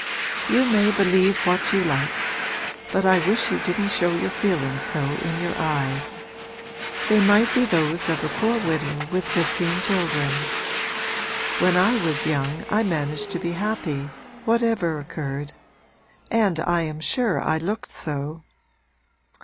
'You may believe what you like; but I wish you didn't show your feelings so in your eyes. They might be those of a poor widow with fifteen children. When I was young I managed to be happy, whatever occurred; and I am sure I looked so.'